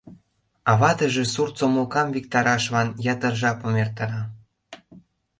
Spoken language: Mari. А ватыже сурт сомылкам виктарашлан ятыр жапым эртара.